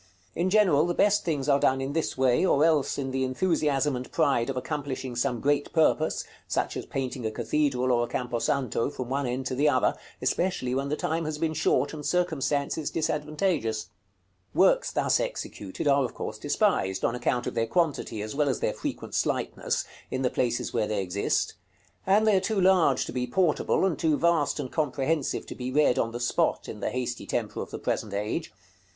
In general, the best things are done in this way, or else in the enthusiasm and pride of accomplishing some great purpose, such as painting a cathedral or a camposanto from one end to the other, especially when the time has been short, and circumstances disadvantageous. § CXXXVIII. Works thus executed are of course despised, on account of their quantity, as well as their frequent slightness, in the places where they exist; and they are too large to be portable, and too vast and comprehensive to be read on the spot, in the hasty temper of the present age.